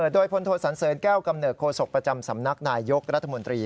โดยพลโทสันเสริญแก้วกำเนิดโศกประจำสำนักนายยกรัฐมนตรี